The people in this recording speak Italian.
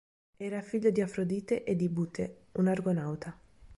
Era figlio di Afrodite e di Bute, un argonauta.